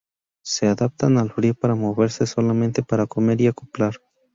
Se adaptan al frío por moverse solamente para comer y acoplar.